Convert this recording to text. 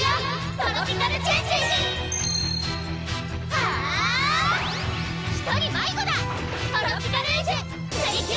トロピカルジュ！